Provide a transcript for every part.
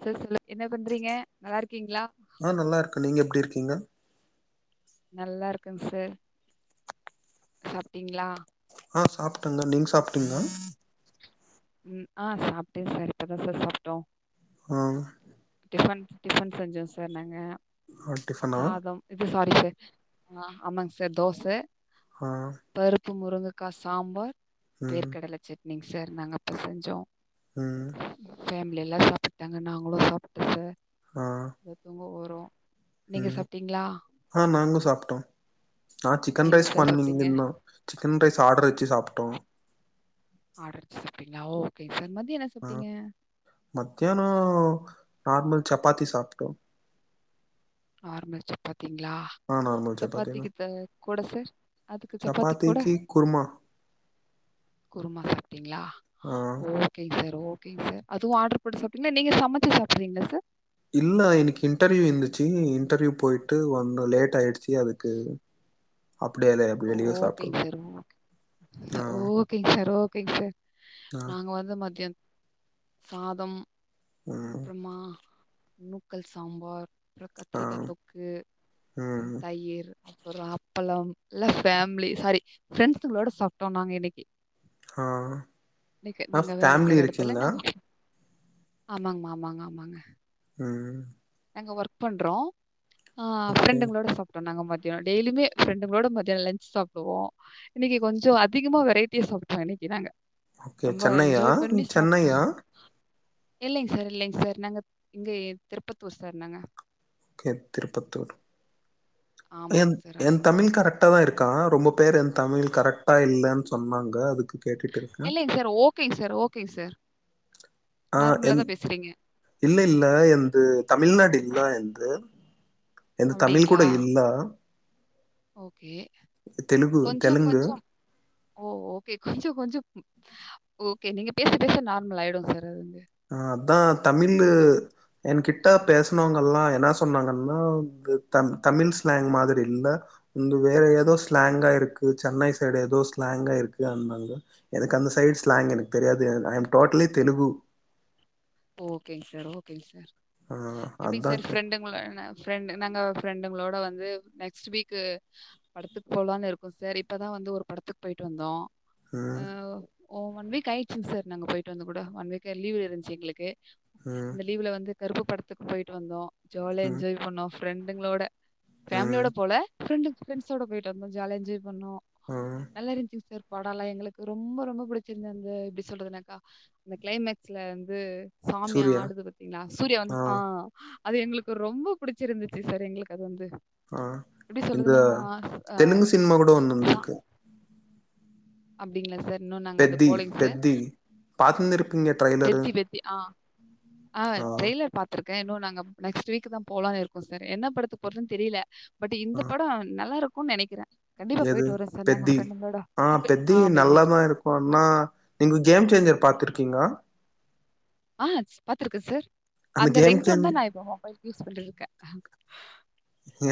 Chairs இல்ல என்ன பண்றீங்க நல்லாருக்கீங்ளா நா நல்லா இருக்கோ நீங்க எப்டி இருக்கீங்க நல்லா இருக்கங் சேர் சாப்டிங்ளா ஆ சாப்டங்க நீங்க சாப்டீங்ளா உம் ஆ சாப்டே சேர் இப்பதா சேர் சாப்டோ ஆ டிஃபன் டிஃபன் செஞ்சோ சேர் நாங்க ஆ டிஃபனா சாதம் இப்போ சாரி சேர் ஆமாங் சேர் தோச ஆ பருப்பு முருங்கைக்கா சாம்பார் ம் வேர்கடலை சட்னிங்க சார் நாங்க இப்போ செஞ்சோம் உம் ஃபேமிலி எல்லா சாப்பிட்டாங்க நாங்களு சாப்பிட்ட சார் ஆ இப்போ தூங்க போறோ நீங்க ம் சாப்பிட்டீங்களா ஆ நாங்களு சாப்பிட்டோ ஆ சிக்கன் என்ன ரைஸ் சார் சாப்பிட்டீங்க பண்ணீருந்தோ சிக்கன் ரைஸ் ஆர்டர் வச்சு சாப்பிட்டோ ஆர்டர் வச்சு சாப்பிட்டீங்களா ஓக்கேங்க சார் மதிய என்ன ஆ சாப்பிட்டீங்க மத்தியானோ நார்மல் சப்பாத்தி சாப்ட்டோ நார்மல் சப்பாத்தீங்ளா ஆ நார்மல் சப்பாத்தி தா சப்பாத்திக்கு அ கூட சார் அதுக்கு சப்பாத்தி கூட சப்பாத்திக்கு குருமா குருமா சாப்டீங்களா ஆ ஓ ஓகே சார் ஓகே சார் அதுவு ஆர்டர் போட்டு சாப்ட்டீங்களா நீங்க சமச்சு சாப்டுறீங்களா சார் இல்ல இன்னிக்கு இன்டர்வியூ இருந்துச்சு இன்டர்வியூ போயிட்டு வந்தோ லேட் ஆயிடுச் சு அதுக்கு அப்டி அத ஓகேங் சேர் ஓகே ஆ ஓக் ஓகேங் சார் ஓகேங் சார் ஆ நாங்க வந்து மத்தியான் சாதோ ம் அப்றமா நூக்கல் சாம்பார் அப்றோ ஆ கத்திரிக்கா தொக்கு றம் ம் தயிர் அப்றோ அப்பளம் எல்ல ஃபேமிலி சாரி ப்ரெண்ஸுங்களோ சாப்ட்டோ நாங்க இன்னைக்கு ஆ இன்னைக்கு ஆ நாங்க வேல ஃபேமிலி செய்ற எடத்துல இருக்கீங்களா நாங்க ம் நாங்க ஒர்க் பண்றோ ஆ ஓகே ப்ரெண்டுங்களோட சாப் ட்டோ நாங்க மத்தியா டெய்லியுமே ஃப்ரெண்டுங்களோ மத்தியானோ லஞ்ச் சாப்டுவோ இன்னைக்கு கொஞ்சோ அதிகமா வெரைட்டியா சாப்டோ இன்னைக்கு நாங்க ஓகே ரொம்ப சென்னையா என்ஜாய் நீ பண்ணி சாப்ட்டோ சென்னையா இல்லைங் சார் இல்லைங் சார் நாங்க இங்க திருப்பத்தூர் சார் நாங்க ஓகே திருப்பத்தூர் என் ஆமாங்க சார், என் ஆமாங்க சார். தமிழ் கார ட்டதா இருக்கா ரொம்ப பேர் என் தமிழ் கரெக்டா இல்லன் சொன்னாங்க அதுக்கு கேட்டுட்டு இருக்கே இல்லைங்க சார் ஓகேங்க சார் ஓகே சார் ஆ நார்மலா என் தான் பேசுறீங்க. இல்ல இல்ல எந்து தமிழ்நாடு இல்ல எந்து எந்து தமிழ் கூட அப்படிங்களா? இல்ல ஓகே தெலுகு கொஞ்சோ தெலுங்கு கொஞ்சோ ஓ ஓகே கொஞ்சோ கொஞ்சோ ஓகே நீங்க பேச பேச நார்மல் ஆயிடு சார் அது வந்து ஆ அதா தமிழு என்கிட்டா பேசனவங்கல்லா என்னா ஆமாங்க அனா அது தம் தமிழ் ஸ்லாங் மாதிரி இல்ல வந்து வேற ஏதோ ம். ஸ்லாங்கா இருக்கு சென்னை சைடு ஏதோ ஸ்லாங்கா இருக்கு அன்னாங்க எனக்கு அந்த சைடு ஸ்லாங் எனக்கு தெரியாது ஐம் டோட்டலி தெலுகு ஓகேங் சார் ஓகேங் சார் ஆ எப்டி அதா சார் கே ஃப்ரெண்டுங்கள ஃப்ரெண்ட் நாங்க பிரெண்டுங்களோட வந்து நெக்ஸ்ட் வீக்கு படத்துக்கு போலானு இருக்கோ சார் இப்பதா வந்து ஒரு படத்துக்கு போய்ட்டு வந்தோ ஆ ம் ஓ ஒன் வீக் ஆயிடுச்சு சார் நாங்க போயிட்டு வந்து கூட ஒன் வீக் லீவ் இருந்துச்சு எங்களுக்கு ம் அந்த லீவுல வந்து கருப்பு படத்துக்கு போயிட்டு வந்தோ ஜாலியா ம் என்ஜாய் பண்ணோம் ஃப்ரெண்டுங்களோட ம் ஃபேமிலியோட போல பிரெண்ட் பிரண்ட்ஸ்ஸோட போய்டு வந்தோ ஜாலியா எஞ்சாய் பன்னோ ம் நல்லா இருச்சிங் சார் பாடோலா எங்களுக் ரொம்ப ரொம்ப பிடிச்சிருந்த அந்த எப்படி சொல்றதுனாக்கா அந்த கிளைமேக்ஸ்ல வந்து சாமி சூர்யா ஆடுது பாத்தீங்களா சூர்ய வந்து ஆ அது எங்களுக்கு ரொம்ப புடிச்சிருந்துச்சு சார் எங்களுக்கு அது வந்து ஆ எப்டி இந்த சொல்ரதுன்னா ச அ தெலுங்கு சினிமா கூட ஒண்ணு வந்திருக்கு அப்டிங்களா சார் இன்னு நாங்க அத போலிங் சார் பாத்துந்திருப் பெத்தி பெத்தி ஆ ஆ ட்ரெய்லர் பாத் இருக்கே இன்னு நாங்க நெக்ஸ்ட் வீக் தா போலான்னு இருக்கோ சார் என்ன படத்துக்கு போறதுன் தெரில பட் இந்த ஆ படோ நல்லா இருக்குன் நெனைக்கிறே எது பெத்தி ஆ இப்ப பெத்தி ஆ நல்லாதா இருக் குனா நீங்க கேம் சேஞ்சர் பாத்துருக்கீங்ளா ஆ பாத்துருக்கே சார் அந்த கேம் ரிங் டோன் சேஞ் தா நா இப்ப மொபைல்கு யூஸ் பண்ணிருக்கே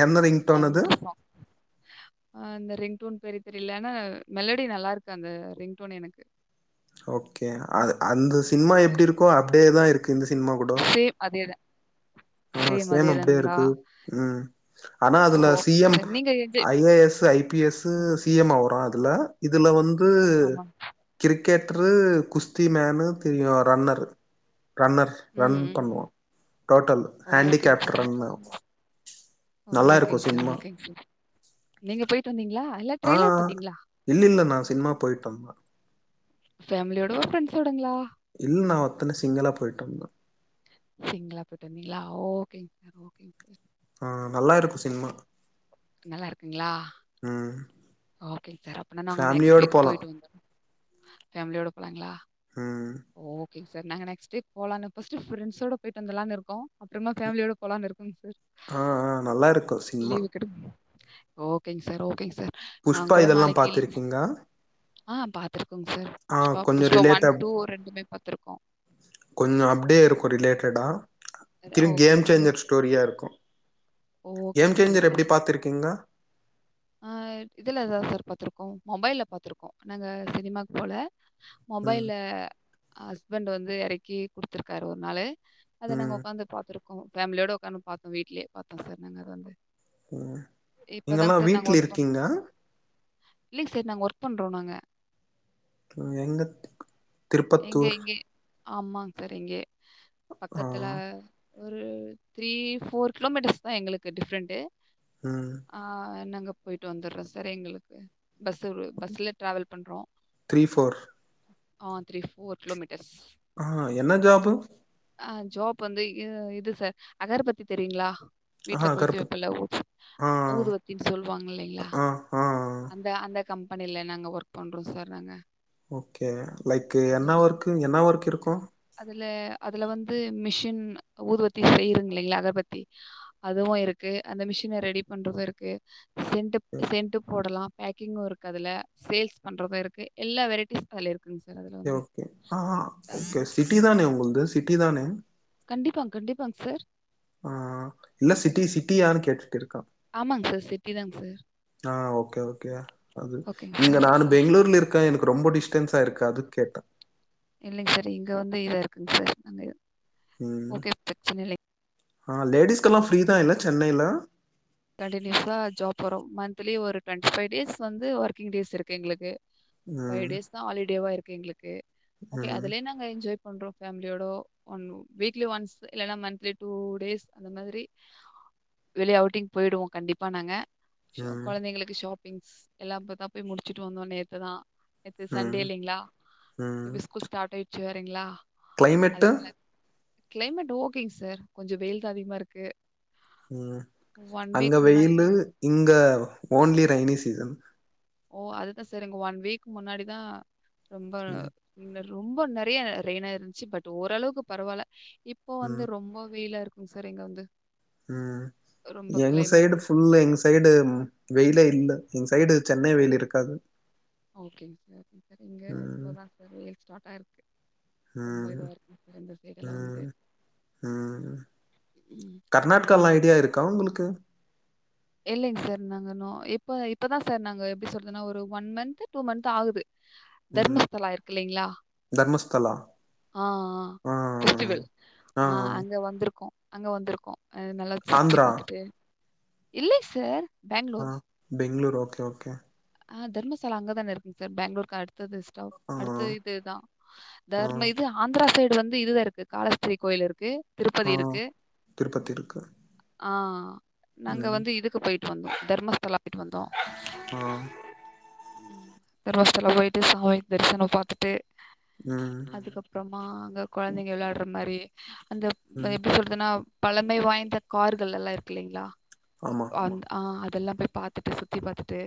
என்ன ரிங் டோன் அது அவுங்கு சா ஆ அந்த ரிங் டோன் பேரு தெரில ஆனா மெலடி நல்லாருக்கு அந்த ரிங் டோன் எனக்கு ஓகே அ அந்த சின்மா எப்டி இருக்கோ அப்டே தா இருக்கு இந்த சின்மா கூடோ சேம் அதே தா ஆ சேம் அப்டியே இருக்கு ம் ஆனா ஓ அதுல சி ஓகேங்க எம் சார். நீங்க எது I A S I P S து சி எம் ஆ வரு அதுல இதுல வந்து ஆமா. கிரிக்கெட்ரு குஸ்தி மேனு தெரியு ரன்னரு ரன்னர் ம், ரன் ம், பண்ணுவோ ம். டோட்டல் ஓகேங்க ஹேண்டிகேப்ரு சார். ரன்னு நல்லா இருக்கு ஓகேங்க சார், சின்மா ஓகேங்க நீங்க போயிட்டு வந்தீங்களா இல்ல ஆ ட்ரெய்லர் பாத்தீங்களா இல்ல இல்ல நா சினிமா போய்ட்டுவந்தே ஃபேமிலியோடவா ஃப்ரண்ட்ஸோடங்களா இல்ல நா ஒத்தனா சிங்களா போய்ட்டு வந்தே சிங்களா போய்ட்டு வந்தீங்களா ஓகேங் சார் ஓகேங் சார் ஆ நல்லா இருக்கு சின்மா நல்லா இருக்குங்களா ம் ஓகேங் சார் அப்பனா நாங்க நெக்ஸ்ட் ஃபேமிலியோட வீக் போலாம் போயிட்டு வந்துர்றோ ஃபேமிலியோட போலாங்களா ம் ஓகேங் சார் நாங்க நெக்ஸ்டிரிப் போலானு ஃபஸ்ட்டு ஃப்ரண்ட்ஸோட போயிட்டு வந்தலானு இருக்கோ அப்பறமா ஃபேமிலியோட போலான்னு இருக்கோங் சார் ஆ ஆ நல்லா இருக்கும் சினிமா லீவுகெடும் ஓகேங் சார் ஓகேங் சார் புஷ்பா நாங்கூட இதெல்லாம் நாளக்கி லீ பாத்திருக்கீங்களா ஆ பாத்துருக்கோங் சார் ஆ புஷ்பா கொஞ்சம் புஷ்பா ஒன் ரிலேட்டா டூ ரெண்டுமே பாத்துருக்கோ கொஞ்சோ அப்டியே இருக்கு ரிலேடடா திருக் கேம் ஓகேங்க சார். சேஞ்சர் ஸ்டோரியா இருக்கு கேம் ஓகேங்க சார். Changer okay. எப்டி பாத்திருக்கீங்க ஆ இதுல தா சார் பாத்துருக்கோ மொபைல்ல பாத்துருக்கோ நாங்க சினிமாக் போல ம் மொபைல்ல ஹஸ்பண்ட் வந்து எறக்கி குடுத்துருக்காரு ஒரு நாளு அத நாங்க ம் உக்காந்து பாத்துருக்கோ ஃபேமிலியோட உக்காந்து பாத்தோ வீ்ட்லயே பாத்தோ சார் நாங்க அத வந்து ம் இங்கல்லா சார் இப்பதான் நாங்க ஒர்க் பண்றோ இல்லைங் சார் நாங்க ஒர்க் பண்றோ நாங்க ம் எங்க எங்க திருப்பத்தூர் இங்கயே ஆமாங் சார் இங்கயே ஆ பக்கத்துல ஒரு த்ரீ ஃபோர் கிலோமீட்டர்ஸ் தா எங்களுக்கு டிஃப்ரண்ட்டு ம் ஆ நாங்க போயிட்டு வந்தற்றோ சார் எங்களுக்கு பஸ்ஸு விடு பஸ்ல டிராவல் பண்றோ த்ரீ ஃபோர் அ த்ரீ ஃபோர் கிலோமீட்டர்ஸ் ஆ என்ன ஜாபு அ ஜாப் வந்து இ இது சார் அகர்பத்தி தெரியுங்ளா வீட்ல ஆ கொள்த்தி கருப்பு வப்புல்ல ஊ ஆ ஊதுவத்தின் சொல்வாங்கில்லைங்ளா ஆ ஆ அந் த அந்த கம்பெனில நாங்க ஒர்க் பண்றோ சார் நாங்க ஓகே லைக்கு அதுல என்ன நா ஒர்க்கு என்ன ஒர்க் இருக்கு அதுல அதுல வந்து மிஷின் ஊதுவத்தி செய்யிறங்கில்லைங்ளா அகர்பத்தி அதுவு இருக்கு அந்த மிஷின ரெடி பண்றது இருக்கு சென்ட்டு சென்ட்டு போடலா பேக்கிங்கு இருக்கு அதுல சேல்ஸ் பண்றது இருக்கு எல்லா வெரைட்டிஸ் அதுல இருக்குங் சார் அதுல சேர் வந்து. ஓகே ஆ அ ஓகே அது- சிட்டி தானே உங்குள்து சிட்டி தானே கண்டிப்பாங் கண்டிப்பாங் சார் ஆ இல்ல சிட்டி சிட்டியானு கேட்டுட்டிருக்க ஆமாங் சார் சிட்டி தாங் சார் ஆ ஓகே ஓகே அது ஓகேங்க இங்க சார். நானு அதில் பெங்ளூர்லிர்க் க எனக்கு ரொம்ப டிஸ்டன்ஸ்ஸா இருக்கு அதுக் கேட்டே இல்லைங் சார் இங்க வந் வெயிலா இருக்குங் சார் நாங்க ம் ஓகே பிரச்சன இல்லைங்க. ஆ லேடிஸ்க்கெல்லா ஃப்ரீ தா இல்ல சென்னைல தேட்டிடேசா ஜாப் போறோ மன்த்லி ஒரு ட்வண்ட்டி ஃபை டேஸ் வந்து ஒர்க்கிங் டேஸ் இருக்கு எங்ளுக்கு ஃபை ம் டேஸ் தா ஹாலிடேவா இருக்கு எங்ளுக்கு ஓகே ம் அதுலே நா ங்க என்ஜாய் பண்றோ ஃபேம்லியோடோ ஒன்னு வீக்லி ஒன்ஸ் இல்லனா மன்த்லி டூ டேஸ் அந்த மாதிரி வெளிய அவுட்டிங் போய்டுவோ கண்டிப்பா நாங்க சோ ம் கொழந்தைகளுக்கு ஷாப் பிங்ஸ் எல்லா இப்பதா போய் முடிச்சசிட்டு வந்தோ நேத்து தா நேத்து சண்டே ம் இல்லீங்ளா ம் இப்போ ஸ்கூல் ஸ்டாட் ஆய்ட்ச்சு வேறைங்ளா கிளைமேட்டு அதுனால க்ளைமெட் ஓகேங் சார் கொஞ்ச வெயில் தா அதிகமா இருக்கு ம் வீக் அங்க முன்னாடி வெயிலு இங்க ஓன்லி ரைனி சீசன் ஓ அதுதா சார் இங்க ஒன் வீக் முன்னாடிதா ரொம்ப ம் இங்க ரொம்ப நறைய ரெய்னா இருந்ச்சு பட் ஓரளவுக்கு பரவால்ல இப்போ வந்து ம் ரொம்ப வெயிலா இருக்குங் சார் இங்க வந்து ம் ரொம்ப எங் கிளைமேட் சைடு ஃபுல்லா எங் சைடு வெய்லே இல்ல எங்க சைடு சென்னை வெய்ல் இருக்காது ஓகேங் சார் இங்க ம் இப்ப தா சார் வெயில் ஸ்டாட்டாய்ர்க்கு ரொம்ப ம் இதுவா இருக்குங் சார் இந்த சைடெல்லா வந்து ம் ம் ம், ரொம்ப கர்நாட்காலா ஐடியா இருக்கா உங்களுக்கு இல்லைங் சார் நாங்க நோ இப்ப இப்பதா சார் நாங்க எப்டி சொல்றதுனா ஒரு ஒன் மன்த்து டூ மன்த் ஆகுது ம் தர்மஸ்தலா இருக்கில்லைங்ளா தர்மஸ்தலா ஆ ஆ ஃபெஸ்டிவல் ஆ அங்க வந்திருக்கோ அங்க வந்திருக்கோம் அ நல்லா சுத்தி ஆந்திரா பாத்துட்டு இல்ல சார் ஆ பெங்களூர் பெங்ளூர் ஓகே ஓகே ஆ தர்மசாலா அங்கதான இருக்குங் சார் பேங்ளூர்க்கு அடுத்தது ஸ்டாப் ஆ அடுத்த இதுதா ஆ தர்ம இது ஆந்திரா சைடு வந்து இதுதா இருக்கு காலஹஸ்தி கோயில் இருக்கு திருப்பதி ஆ இருக்கு திருப்பதி இருக்கு ஆ நாங்க ம் வந்து இது க்கு போய்ட்டு வந்தோ தர்மஸ்தலா போய்ட்டு வந்தோ ஆ தர்மஸ்சலா போயிட்டு சாமி தரிசனோ பாத்துட்டு ம் அதுக்கப்றமா அங்க கொழந்தைங்க விளாட்ற மாரி அந்த ம் எப்டி சொல் எதனா பழமை வாய்ந்த கார்கள் எல்லா இருக்கில்லைங்ளா ஆமா அ அதெல்லாம் போய் பாத்துட்டு சுத்தி பாத்தட்டு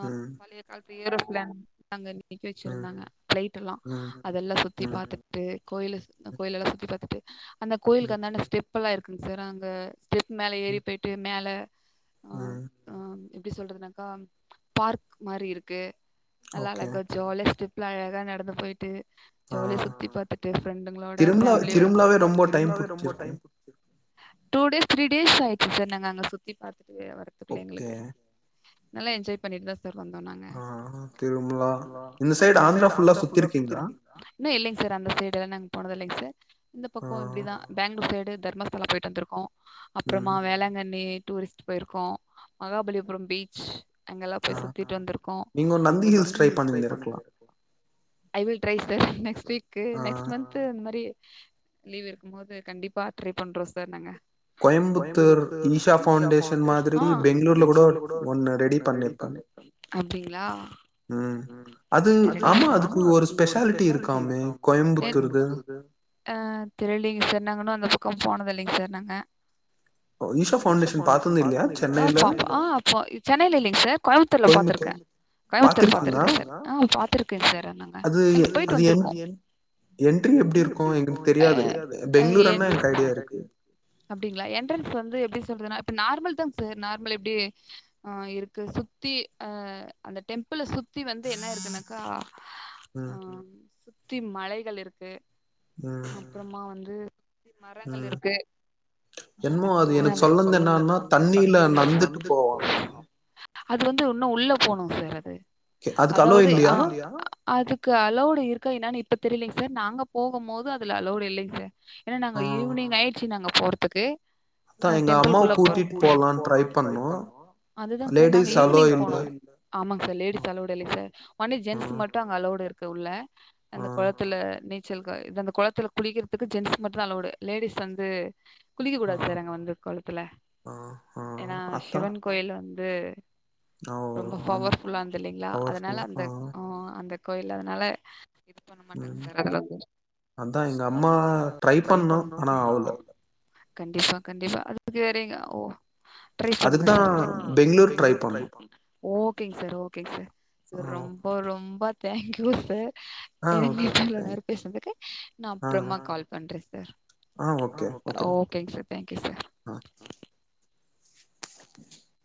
அ ம் பழய காலத்து ஏரோஃபிளேன் அங்க நிக்க ம் வெச்சிருந்தாங்க ஃப்ளைட் எல்லா ம் அதெல்லா சுத்தி ம் பாத்துட் டு கோயிலு கோயிலெல்லா சுத்தி பாத்துட்டு அந்த கோயிலுக்கு ம் அந்தான்ட ஸ்டெபெல்லா இருக்குங் சார் அங்க டெப் மேல ஏறி ம் போய்ட்டு மேல ஆ ம் ஆ எப்டி சொல்றத்னாக்கா பார்க் மாரி இருக்கு நல்லா ஓகே அழகா ஜாலியா ஸ்டெப் ல அழகா நடந்து போய்ட்டு ஆ ஜாலிய சுத்தி பாத்துட்டு ஃப்ரெண்டுஙளோட திரும்லா ஃபேம்லியோட திரும்லாவே ரொம்ப டைம் புடிச்சிருக்கு டூ டேஸ் த்ரீ டேஸ் ஆயிட்ச்சு சார் நாங்க அங்க சுத்தி பாத்துட்டு வரதுக்குல்ல எங்களுக்கு ஓகே நல்லா என்ஜாய் பண்ணிட்டுதா சார் வந்தோ நாங்க ஆ திருமலா இந்த ம் சைடு ஆந்திரா ஃபுல்லா இன்னு சுத்திருக்கீங்களா இல்லிங்க சார் அந்த சைடுலா நாங்க போனதில்லைங் சார் இந்த ஆ பக்கோ இப்டிதா பேங்களூர் சைடு தர்மஸ்தலா போய்ட்டு வந்திருக்கோ அப்றம் ம் வேளாங்கண்ணி டூரிஸ்ட் போயிருக்கோ மகாபலிபுரம் பீச் அங்கெல்லா ஆ போய் சுத்திட்டு வந்திருக்கோ நீங்கோ நந்தி ஹில்ஸ் ட்ரை பண்ணுங்க [unintelligible] ஐ will try sir next week ஆ நெக்ஸ்ட் மந்த் து இந்த மாரி லீவ் இருக்கும் மோது கண்டிப்பா ட்ரை பண்றோ சார் நாங்க கோயம்புத்தூர் ஈஷா ஃபவுண்டேஷன் மாதிரி பெங்ளூர்ல கூட ஒண்ணு ரெடி பண்ணிருக்காங் அப்டிங்ளா ம் அது ஆமா அதுக்கு ஒரு ஸ்பெஷாலிட்டி இருக்காமே கோயம்புத்தூருது அ தெரியலிங்க சார் நாங்கின்னு அந்த பக்கம் போனதில்லைங் சார் நாங்க ஓ, ஈஷா ஃபவுண்டேஷன் பாத்தது இல்லையா பாத்தில்யா சென்னையில [unintelligible] அப்போ சென்னையில இல்லலைங் சார் கோயம்புத்தூர்ல பாத்துருக்கே கோயம்புத்தூர் கோயம்புத்தூர் பாத்திருக்கீங்களா பாத்துருக்கே சார் ஆ பாத்துருக்கே சார் நாங்க அது அங்க போய்ட்டு அது என் வந்திருக்கோ என்ட்ரி எப்டி இருக்கு எங்களுக்கு தெரியாது பெங்களூர் ஆனா எனக்கு எங்களுக் ஐடியா இருக்கு தெரியாது [unintelligible] அப்டிங்ளா எ ன்ட்ரன்ஸ் வந்து எப்டி சொல்றத்ன்னா இப்ப நார்மல் தாங் சார் நார்மல் எப்டி ஆ இருக்கு சுத்தி அ அந்த டெம்பிள சுத் சதி வந்து என்ன இருக்குன்னாக்கா ம் அம் சுத்தி மலைகள் இருக்கு ம் அப்புறமா வந்து சுத்தி மரங்கள் ம் இருக்கு என்னமோ இன்னு எனக்கு அது எனக் சொல்லந்து சொல்லன்து என்னான்னா தண்ணீல நந்துட்டு வந்து போவாங்க அவன். [unintelligible] அது வந்து இன்னு உள்ள போனு சார் அது கே அதுக்கு அலோ அதாவது ஆ இல்லையா? அதுக்கு அலௌடு இருக்கா என்னனு இப்பத் தெரிலைங்க சார் நாங்க போகும் மோது அதுல அலௌடு இல்லைங் சார் ஏனா ஆ. நாங்க ஈவினிங் ஆயிட்ச்சு நாங்க போறதுக்கு அ அதான் எங்க அம்மாவ டெம்பிள்குள்ள கூட்டிட்டு போலான்னு ட்ரை பண்ணோம். அதுதாங் சார் நாங்க லேடீஸ் அலோ ஈவினிங் இல்ல. போனோ ஆமாங சார் ம். லேடிஸ் அலௌடு இல்லைங்க சார் ஒன்லி ஆ. ஜென்ஸ் மட் டு அங்க அலௌடு இருக்கு உள்ள ஆ. அந்த கொளத்துல நீ ச்சல் இது அந்த கொளத்துல குளக்கிறதுக்கு ஜென்ஸ் மட்டுதா அலௌவுடு லேடிஸ் வந்து குளிக்க ஆ. கூடாது சார் அங்க வந்து கொளத்துல ஆ. ஆ. ஏனா அதான். சிவன் கோயில் வந்து ஓ! ரொம்ப ஆமா. பவர் ஃபுல்லானது இல்லிங்ளா அதனால அந்த ஆ அந்த கோயில் அதனால இது பண்ண மாட்டாங்க ம். சார் அதெல்லா கொஞ்சு அதான் எங்க அம்மா நம்மா ட்ரை பண்ணு ஆனா ஆவுல கண்டிப்பா கண்டிப்பா அடுத்தது வேறெங்க ஓ ட்ரை அதுக்கு பண்ணுங்க தான் சார் அதா பெங்களூர் ட்ரை பண்றோ ஓகேங் சார் ஓகேங் சார் ஆ. சார் ரொம்ப ரொம்ப தேங்க்யூ சார் ஓகே ஆ. ஓகே, எகிட்ட ஓகே. இவ்ளோ நேரோ தேங்க்ஸ். பேஸ்னதுக்கு நா ஆ. அப்றோமா கால் பண்றே சார் ஆ. ஓகே. ஓகே. ஓகேங்க sir thank you sir ah. [inaudible]